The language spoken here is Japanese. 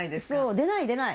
出ない出ない。